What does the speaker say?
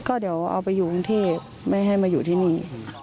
ก็เดี๋ยวเอาไปอยู่กรุงเทพไม่ให้มาอยู่ที่นี่